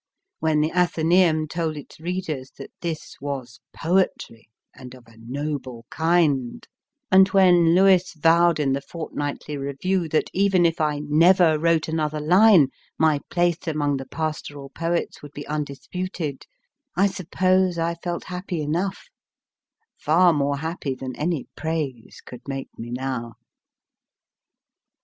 When the Athencsum told its readers that this was/w/rr, and of a noble kind, and when Lewes vowed in the Fortnightly Review that even if I * never wrote another line, my place among the pastoral poets would be undisputed, I suppose I felt happy enough far more happy than any praise could make me now.